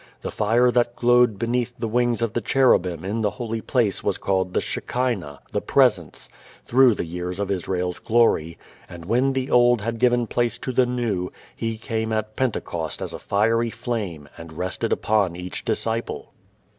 The fire that glowed between the wings of the cherubim in the holy place was called the "shekinah," the Presence, through the years of Israel's glory, and when the Old had given place to the New, He came at Pentecost as a fiery flame and rested upon each disciple.